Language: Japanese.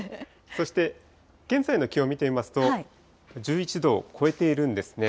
そして、現在の気温見てみますと、１１度を超えているんですね。